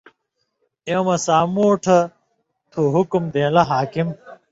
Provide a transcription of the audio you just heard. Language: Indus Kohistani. ایوں مہ سامُوٹھھ تُھو حُکُم دېن٘لو (حاکم)،